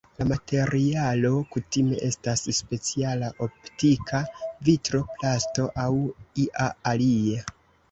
La materialo kutime estas speciala optika vitro, plasto aŭ ia alia.